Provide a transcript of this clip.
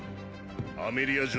アメリア嬢